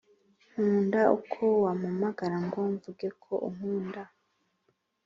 nkunda uko wampamagara ngo mvuge ko unkunda.